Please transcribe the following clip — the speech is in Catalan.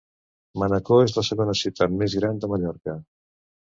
Manacor és la segona ciutat més gran de Mallorca.